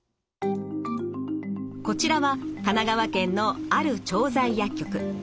こちらは神奈川県のある調剤薬局。